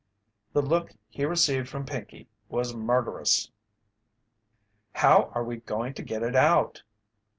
The look he received from Pinkey was murderous. "How are we going to get it out?"